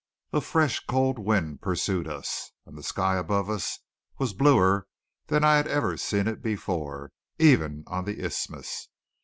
A fresh cold wind pursued us; and the sky above us was bluer than I had ever seen it before, even on the Isthmus.